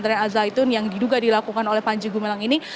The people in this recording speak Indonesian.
dari al zaitun yang diduga dilakukan oleh panji gumilang ini